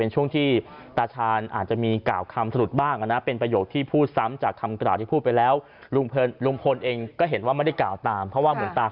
ปฏิเสธครับเขาบอกว่าหมุนตาพูดเมื่อการเครื่องแสมมินทรีย์